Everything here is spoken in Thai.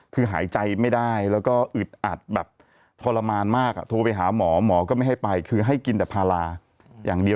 คือหายใจไม่ได้แล้วก็อึดอัดแบบทรมานมากโทรไปหาหมอหมอก็ไม่ให้ไปคือให้กินแต่พาราอย่างเดียว